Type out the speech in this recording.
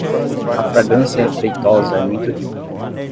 A fragrância leitosa é muito rica